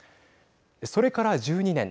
それから１２年。